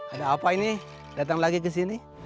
ada apa ini datang lagi ke sini